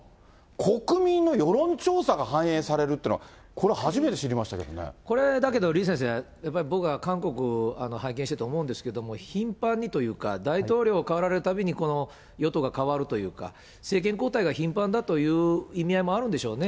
国民の世論調査が反映されるっていうのは、これ、これ、だけど李先生、やっぱり僕は韓国拝見してて思うんですけども、頻繁にというか、大統領代わられるたびに、この与党が代わるというか、政権交代が頻繁だという意味合いもあるんでしょうね。